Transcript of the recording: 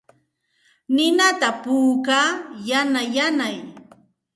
Ninata puukaa yanay yanay.